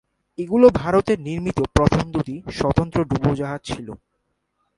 এগুলি ভারতের নির্মিত প্রথম দুটি স্বতন্ত্র ডুবোজাহাজ ছিল।